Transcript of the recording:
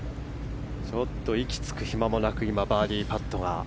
息つく暇もなくバーディーパットが。